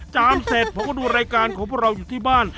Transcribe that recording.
เสร็จผมก็ดูรายการของพวกเราอยู่ที่บ้าน